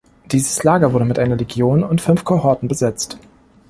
Dieses Lager wurde mit einer Legion und fünf Kohorten besetzt.